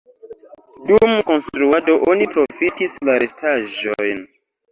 Dum konstruado oni profitis la restaĵojn.